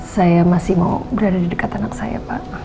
saya masih mau berada di dekat anak saya pak